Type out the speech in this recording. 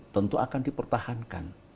tentu akan dipertahankan